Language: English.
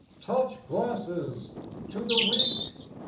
Touch glasses! To the Weak!